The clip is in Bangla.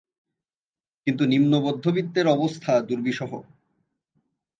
কিন্তু নিম্নমধ্যবিত্তের অবস্থা দুর্বিষহ।